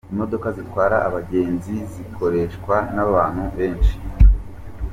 Imodoka zitwara abagenzi zikoreshwa n’abantu benshi.